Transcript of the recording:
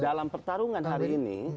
dalam pertarungan hari ini